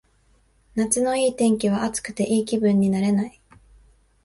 夏のいい天気は暑くていい気分になれない